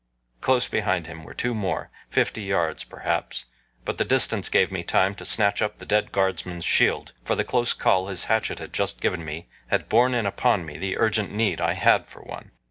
Close behind him were two more fifty yards perhaps but the distance gave me time to snatch up the dead guardsman's shield, for the close call his hatchet had just given me had borne in upon me the urgent need I had for one.